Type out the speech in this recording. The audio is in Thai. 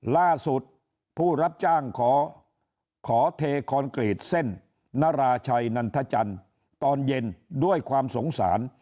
ล่าสุดผู้รับจ้างขอเทคอนกรีตเส้นนราชัยนันทจันทร์ตอนเย็นด้วยความสงสาร